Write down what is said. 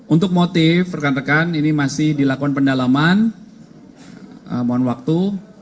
untuk motif rekan rekan ini masih dilakukan pendalaman mohon waktu